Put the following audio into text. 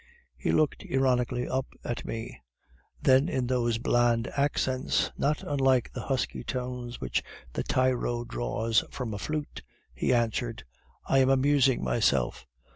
He looked ironically up at me; then in those bland accents, not unlike the husky tones which the tyro draws from a flute, he answered, 'I am amusing myself.